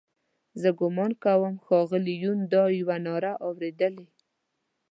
زه ګومان کوم ښاغلي یون دا یوه ناره اورېدلې.